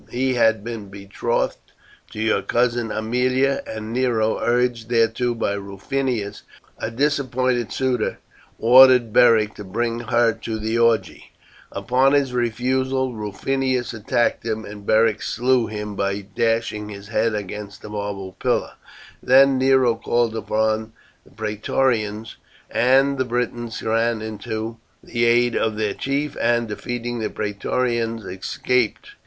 He had been betrothed to your cousin Aemilia, and Nero, urged thereto by Rufinus, a disappointed suitor, ordered Beric to bring her to the orgy. Upon his refusal Rufinus attacked him, and Beric slew him by dashing his head against a marble pillar. Then Nero called upon the Praetorians, and the Britons ran in to the aid of their chief, and, defeating the Praetorians, escaped.